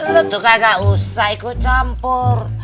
lu tuh kagak usah ikut campur